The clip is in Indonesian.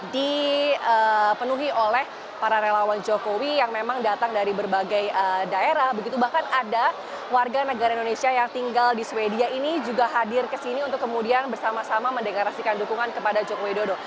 dipenuhi oleh para relawan jokowi yang memang datang dari berbagai daerah begitu bahkan ada warga negara indonesia yang tinggal di sweden ini juga hadir ke sini untuk kemudian bersama sama mendeklarasikan dukungan kepada jokowi dodo